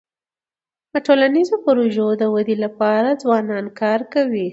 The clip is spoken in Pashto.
د ټولنیزو پروژو د ودی لپاره ځوانان کار کوي.